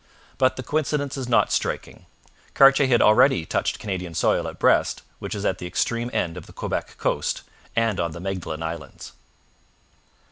But the coincidence is not striking. Cartier had already touched Canadian soil at Brest, which is at the extreme end of the Quebec coast, and on the Magdalen Islands.